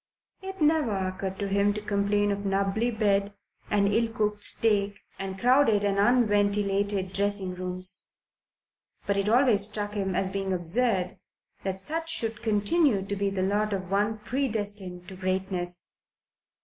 It never occurred to him to complain of nubbly bed and ill cooked steak and crowded and unventilated dressing rooms; but it always struck him as being absurd that such should continue to be the lot of one predestined to greatness.